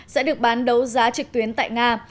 sẽ được bán đấu giá trực tuyến tại australia